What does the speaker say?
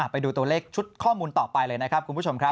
ไปดูตัวเลขชุดข้อมูลต่อไปเลยนะครับคุณผู้ชมครับ